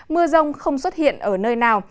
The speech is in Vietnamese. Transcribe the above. mưa rông không xuất hiện ở nơi nào